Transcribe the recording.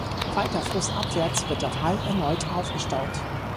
Weiter flussabwärts wird der Vaal erneut aufgestaut.